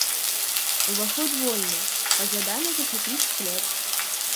Уваход вольны, пажадана захапіць плед.